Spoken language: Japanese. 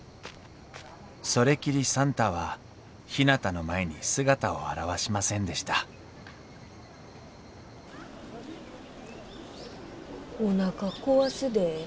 それきりサンタはひなたの前に姿を現しませんでしたおなか壊すで。